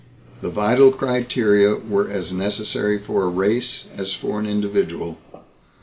The vital criteria were as necessary for a race as for an individual.